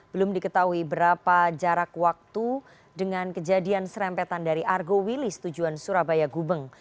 belum diketahui berapa jarak waktu dengan kejadian serempetan dari argo wilis tujuan surabaya gubeng